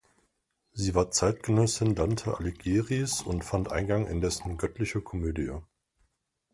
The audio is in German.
Sie war Zeitgenossin Dante Alighieris und fand Eingang in dessen "Göttliche Komödie".